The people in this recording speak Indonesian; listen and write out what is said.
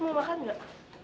mau makan nggak